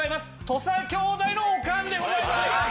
土佐兄弟のおかんでございます！